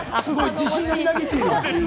自信がみなぎっている。